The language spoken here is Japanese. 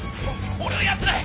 俺はやってない！